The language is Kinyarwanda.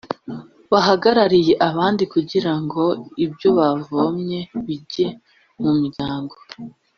bahagarariye abandi kugira ngo ibyo bavomye bijye mu miryango